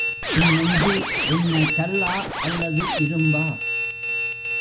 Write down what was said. உன் நெஞ்சு என்ன கல்லா அல்லது இரும்பா?